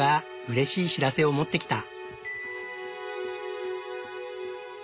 うれしい知らせをもってきた。